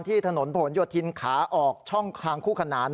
ถนนผลโยธินขาออกช่องทางคู่ขนาน